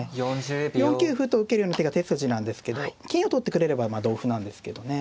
４九歩と受けるような手が手筋なんですけど金を取ってくれればまあ同歩なんですけどね。